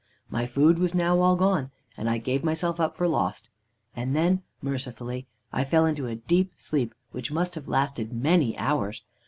My food was now all gone, and I gave myself up for lost, and then mercifully I fell into a deep sleep which must have lasted many hours.